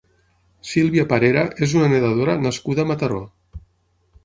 Sílvia Parera és una nedadora nascuda a Mataró.